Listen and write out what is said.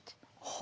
は